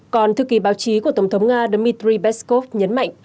còn thư kỳ báo chí của tổng thống nga dmitry peskov nhấn mạnh